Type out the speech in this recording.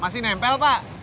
masih nempel pak